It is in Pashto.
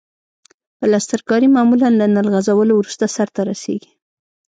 پلسترکاري معمولاً له نل غځولو وروسته سرته رسیږي.